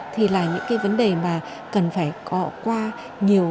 thì là những vấn đề cần phải gõ qua nhiều